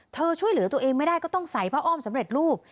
ช่วยเหลือตัวเองไม่ได้ก็ต้องใส่ผ้าอ้อมสำเร็จรูป